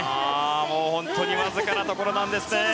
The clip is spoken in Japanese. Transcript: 本当にわずかなところなんですね。